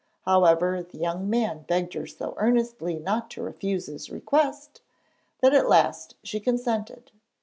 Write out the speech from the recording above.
However, the young man begged her so earnestly not to refuse his request that at last she consented.